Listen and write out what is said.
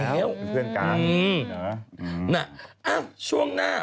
เป็นเพื่อนการต้องนานแล้วอืมน่ะเอ้าช่วงหน้า